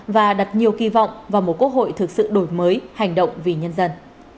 và đặt nhiều kỳ vọng vào một quốc hội thực sự đổi mới hành động vì nhân dân